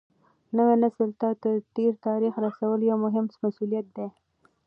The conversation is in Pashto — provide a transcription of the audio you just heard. نوي نسل ته د تېر تاریخ رسول یو مهم مسولیت دی.